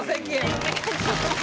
お願いします。